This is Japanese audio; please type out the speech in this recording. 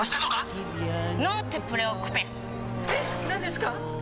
何ですか？